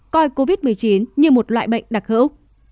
coi covid một mươi chín như một loại bệnh đặc hữu